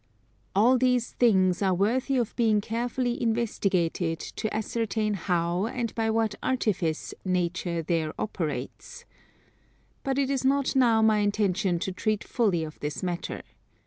All these things are worthy of being carefully investigated to ascertain how and by what artifice nature there operates. But it is not now my intention to treat fully of this matter.